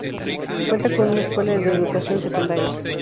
Cuenta con una escuela de educación secundaria.